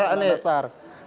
ya saya masih ada cara ini